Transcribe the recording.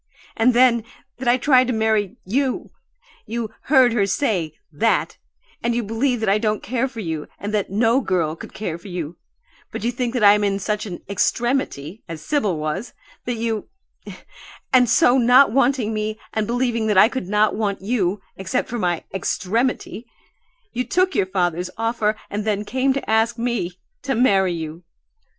"And then that I tried to marry you! You 'heard her say' that and you believe that I don't care for you and that 'no girl' could care for you but you think I am in such an 'extremity,' as Sibyl was that you And so, not wanting me, and believing that I could not want you except for my 'extremity' you took your father's offer and then came to ask me to marry you!